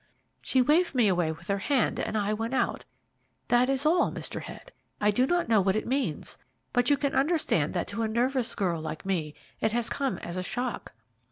"She waved me away with her hand, and I went out. That is all, Mr. Head. I do not know what it means, but you can understand that to a nervous girl like me it has come as a shock."